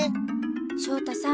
翔太さん